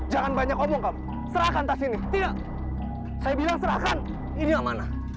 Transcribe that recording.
jangan lupa like subscribe dan share ya